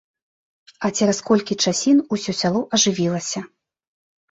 А цераз колькі часін усё сяло ажывілася.